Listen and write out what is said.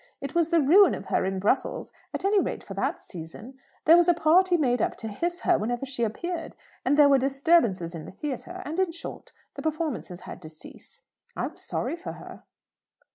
It was the ruin of her in Brussels; at any rate for that season. There was a party made up to hiss her whenever she appeared; and there were disturbances in the theatre; and, in short, the performances had to cease. I was sorry for her."